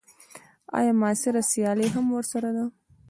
ایا معاصره سیالي هم ورسره ده.